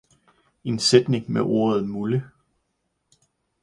En sætning med ordet mulle.